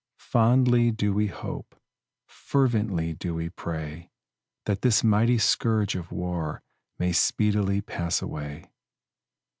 Fondly do we hope fervently do we pray that this mighty scourge of war may speedily pass away.